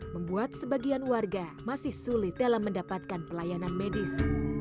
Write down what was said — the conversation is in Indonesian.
membuat sebagian warga masih sulit dalam mendapatkan pelayanan medis